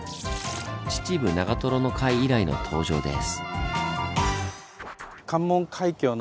「秩父」「長瀞」の回以来の登場です。